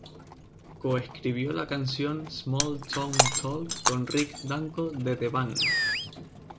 Co-escribió la canción "Small Town Talk" con Rick Danko de The Band.